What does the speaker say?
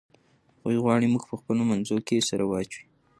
هغوی غواړي موږ په خپلو منځونو کې سره واچوي.